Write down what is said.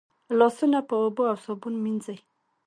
لاسونه په اوبو او صابون مینځئ.